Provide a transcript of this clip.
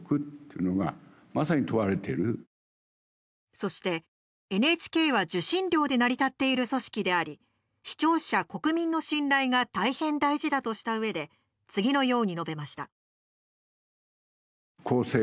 そして、ＮＨＫは受信料で成り立っている組織であり視聴者、国民の信頼が大変、大事だとしたうえで次のように述べました。